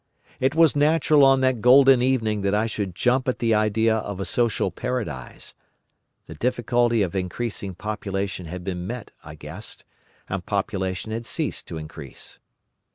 It was natural on that golden evening that I should jump at the idea of a social paradise. The difficulty of increasing population had been met, I guessed, and population had ceased to increase.